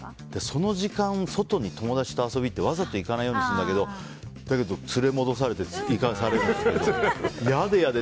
その時間外に友達を遊びに行ってわざと行かないようにするんだけど、連れ戻されて行かされるんですけど嫌で嫌で。